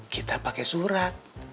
kita pake surat